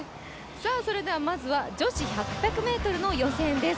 それではまずは女子８００ｍの予選です